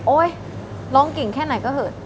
โอ๊ยร้องเก่งแค่ไหนก็เผ็ด